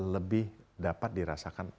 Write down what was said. lebih dapat dirasakan